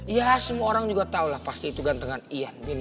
ya semua orang juga tahu lah pasti itu gantengan iya